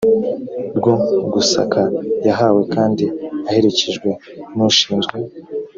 rwo gusaka yahawe kandi aherekejwe n ushinzwe